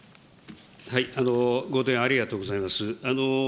ご提案ありがとうございます。